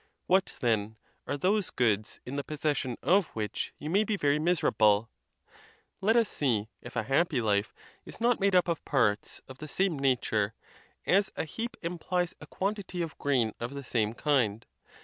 What, then, are those goods in the possession of which you may be very miserable? Let us see if a happy life is not made up of parts of the same nature, as a heap implies a quan tity of grain of the same kind.